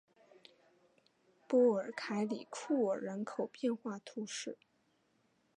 波尔凯里库尔人口变化图示